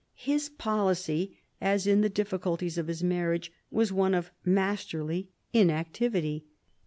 His policy, as in the difficulties of his marriage, was one of masterly inactivity.